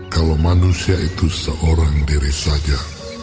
kalau manusia itu seorang diri saja